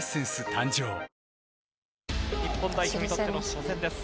誕生日本代表にとっての初戦です。